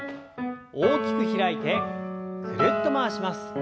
大きく開いてぐるっと回します。